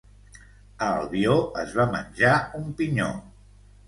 A Albió es va menjar un pinyó.